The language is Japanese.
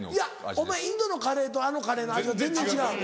お前インドのカレーとあのカレーの味は全然違う。